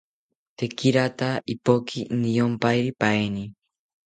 Tekirata ipoki niyomparipaeni